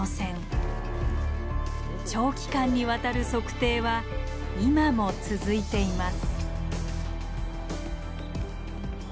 長期間にわたる測定は今も続いています。